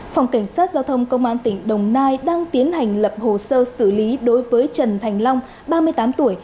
phòng cảnh sát giao thông công an tỉnh đồng nai đang tiến hành lập hồ sơ xử lý đối với trần thành long ba mươi tám tuổi